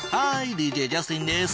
ＤＪジャスティンです。